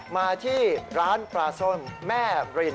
มาที่ร้านปลาส้มแม่บริน